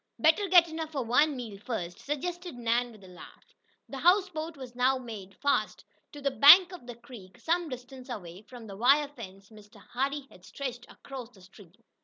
"Better get enough for one meal first," suggested Nan, with a laugh. The houseboat was now made fast to the bank of the creek some distance away from the wire fence Mr. Hardee had stretched across the stream.